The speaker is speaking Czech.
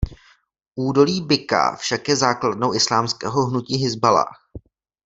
Údolí Bikáa však je základnou islámského hnutí Hizballáh.